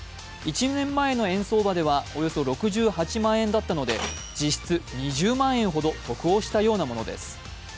１年前の円相場ではおよそ６８万円だったので実質２０万円ほど得をしたようなものです。